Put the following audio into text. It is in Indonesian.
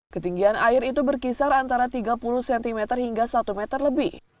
ketinggian air itu berkisar antara tiga puluh cm hingga satu meter lebih